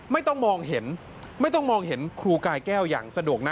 ไม่ต้องมองเห็นครูกายแก้วอย่างสะดวกนะ